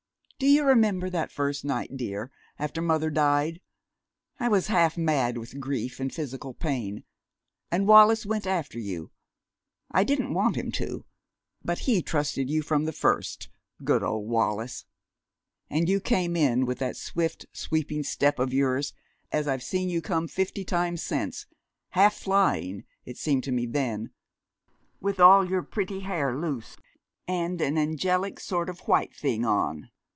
Do you remember that first night, dear, after mother died? I was half mad with grief and physical pain. And Wallis went after you. I didn't want him to. But he trusted you from the first good old Wallis! And you came in with that swift, sweeping step of yours, as I've seen you come fifty times since half flying, it seemed to me then with all your pretty hair loose, and an angelic sort of a white thing on.